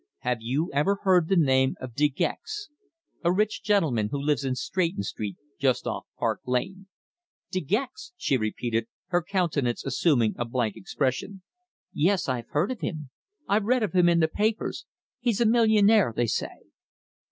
"Have you ever heard the name of De Gex a rich gentleman who lives in Stretton Street, just off Park Lane?" "De Gex!" she repeated, her countenance assuming a blank expression. "Yes, I've heard of him. I've read of him in the papers. He's a millionaire, they say."